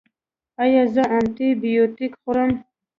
ایا زه انټي بیوټیک وخورم؟